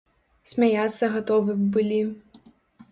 Смяяцца гатовы б былі.